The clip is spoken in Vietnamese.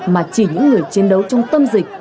mà chỉ những người chiến đấu trong tâm dịch